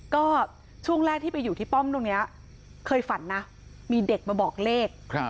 ก็ช่วงแรกที่ไปอยู่ที่ป้อมตรงนี้เคยฝันนะมีเด็กมาบอกเลข